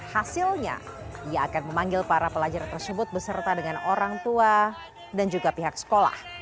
hasilnya ia akan memanggil para pelajar tersebut beserta dengan orang tua dan juga pihak sekolah